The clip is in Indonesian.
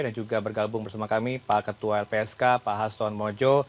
dan juga bergalbung bersama kami pak ketua lpsk pak haston mojo